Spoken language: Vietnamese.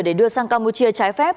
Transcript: để đưa sang campuchia trái phép